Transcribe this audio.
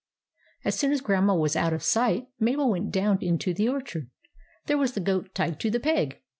As soon as Grandma was out of sight, Mabel went down into the orchard. There was the goat tied to the peg.